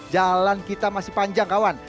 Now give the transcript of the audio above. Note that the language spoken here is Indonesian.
jalan kita masih panjang kawan